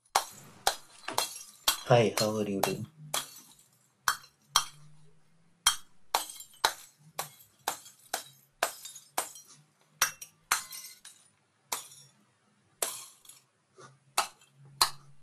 Racing Hall of Fame inductee John Madden.